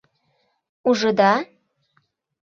— Ужыда?